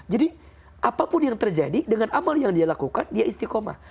jadi apapun yang terjadi dengan amal yang dia lakukan dia istiqomah